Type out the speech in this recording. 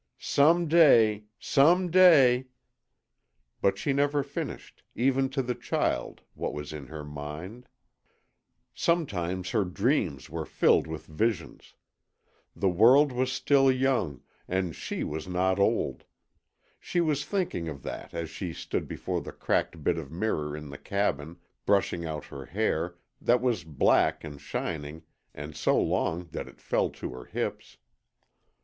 "Some day SOME DAY " But she never finished, even to the child, what was in her mind. Sometimes her dreams were filled with visions. The world was still young, and SHE was not old. She was thinking of that as she stood before the cracked bit of mirror in the cabin, brushing out her hair, that was black and shining and so long that it fell to her hips.